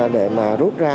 để mà rút ra